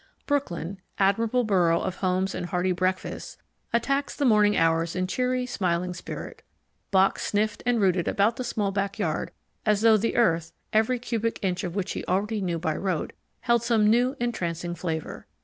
Brooklyn, admirable borough of homes and hearty breakfasts, attacks the morning hours in cheery, smiling spirit. Bock sniffed and rooted about the small back yard as though the earth (every cubic inch of which he already knew by rote) held some new entrancing flavour.